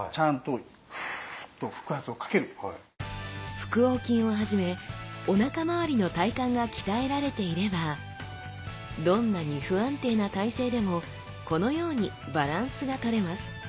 腹横筋をはじめおなかまわりの体幹が鍛えられていればどんなに不安定な体勢でもこのようにバランスがとれます